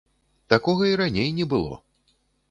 Такога і раней не было.